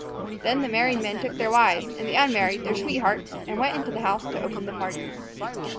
Then the married men took their wives, and the unmarried, their sweethearts, and went into the house to open the party.